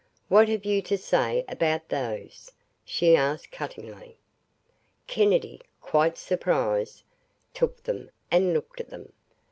"What have you to say about those?" she asked cuttingly. Kennedy, quite surprised, took them and looked at them.